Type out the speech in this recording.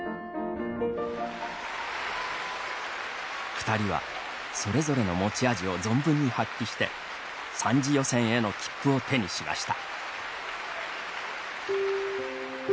２ 人はそれぞれの持ち味を存分に発揮して３次予選への切符を手にしました。